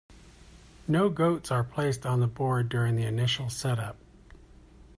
No goats are placed on the board during the initial setup.